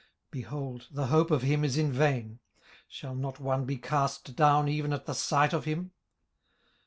18:041:009 Behold, the hope of him is in vain: shall not one be cast down even at the sight of him?